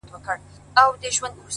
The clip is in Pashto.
• ستا دی که قند دی؛